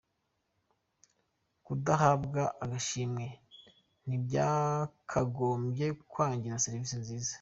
Kudahabwa agashimwe ntibyakagombye kwangiza serivisi nziza